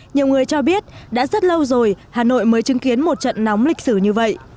nhiều người cho biết đã rất lâu rồi hà nội mới chứng kiến một trận nóng lịch sử như vậy